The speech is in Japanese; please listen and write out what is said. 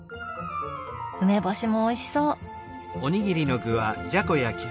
梅干しもおいしそう。